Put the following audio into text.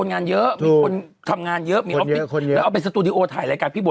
คือตอนนี้มันเลยกลายเป็นระยาบ